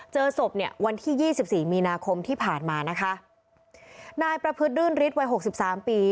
เจอศพเนี่ยวันที่ยี่สิบสี่มีนาคมที่ผ่านมานะคะนายประพฤติรื่นฤทธิวัยหกสิบสามปี